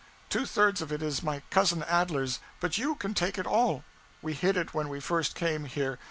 Two thirds of it is my cousin Adler's; but you can take it all. We hid it when we first came here.